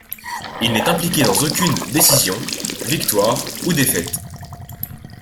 Il n'est impliqué dans aucune décision, victoire ou défaite.